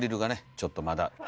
ちょっとまだ。